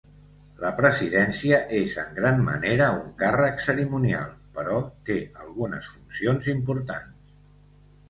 La presidència és en gran manera un càrrec cerimonial, però té algunes funcions importants.